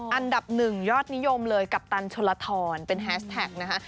อันดับหนึ่งยอดนิยมเลยกัปตันชนลทรเป็นแฮสแท็กนะคะ